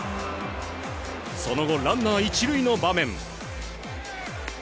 その後、ランナー１塁の場面。